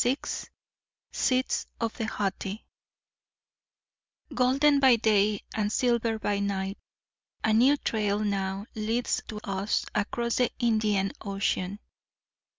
VI SEATS OF THE HAUGHTY Golden by day and silver by night, a new trail now leads to us across the Indian Ocean.